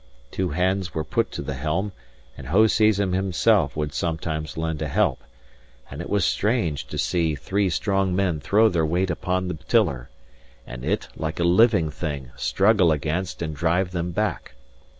Two hands were put to the helm, and Hoseason himself would sometimes lend a help; and it was strange to see three strong men throw their weight upon the tiller, and it (like a living thing) struggle against and drive them back.